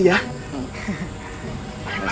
mencari rumah tuan adolf peter